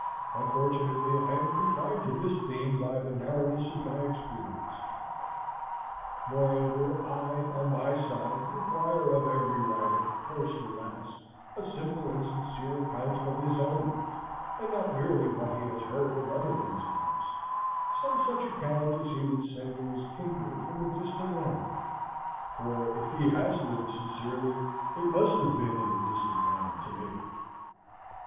Unfortunately, I am confined to this theme by the narrowness of my experience. Moreover, I, on my side, require of every writer, first or last, a simple and sincere account of his own life, and not merely what he has heard of other men's lives; some such account as he would send to his kindred from a distant land; for if he has lived sincerely, it must have been in a distant land to me.